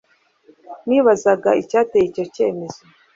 Nibazaga icyateye icyo cyemezo